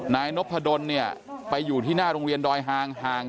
นายนพดลไปอยู่ที่หน้าโรงเรียนดอยห่าง